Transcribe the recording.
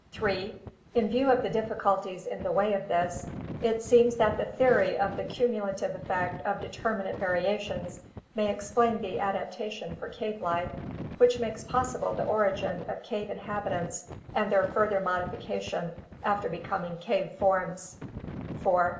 3. In view of the difficulties in the wav of this, it seems that the theory of the cumulative effect of determinate variations may explain the adaptation for cave life which makes possible the origin of cave inhabitants and their further modification after becoming cave forms (fianta).